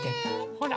ほら！